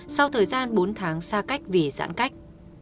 sau thời gian bốn tháng xa cách vì giãn cách